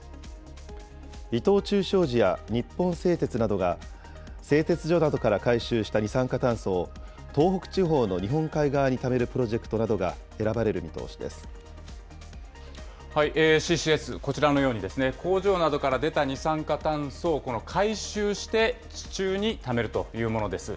伊藤忠商事や日本製鉄などが、製鉄所などから回収した二酸化炭素を、東北地方の日本海側にためるプロジェクトなどが選ばれる見通しでＣＣＳ、こちらのように工場などから出た二酸化炭素を回収して、地中にためるというものです。